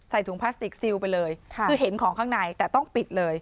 ถุงพลาสติกซิลไปเลยคือเห็นของข้างในแต่ต้องปิดเลย